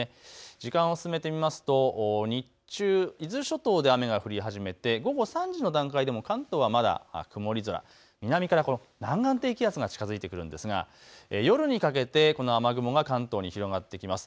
時間を進めてみますと日中伊豆諸島で雨が降り始めて午後３時の段階でも関東はまだ曇り空、南から南岸低気圧が近づいてくるんですが夜にかけてこの雨雲が関東に広がってきます。